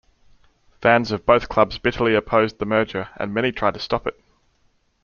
Fans of both clubs bitterly opposed the merger and many tried to stop it.